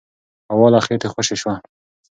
هوا له خېټې خوشې شوه.